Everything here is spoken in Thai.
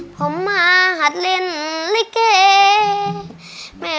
ผมมาหัดเล่นลิเก